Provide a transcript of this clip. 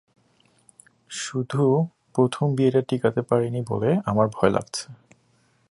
শুধু প্রথম বিয়েটা টেকাতে পারিনি বলে আমার ভয় লাগছে।